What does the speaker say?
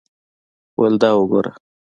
ویل دا وګوره.